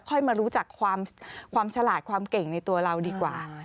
มารู้จักความฉลาดความเก่งในตัวเราดีกว่า